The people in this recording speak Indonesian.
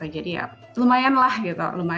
jadi ya lumayan lah gitu